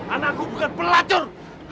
anakku bukan pelacur